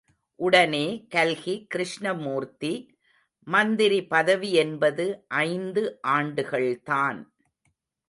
உடனே கல்கி கிருஷ்ணமூர்த்தி, மந்திரி பதவி என்பது ஐந்து ஆண்டுகள்தான்.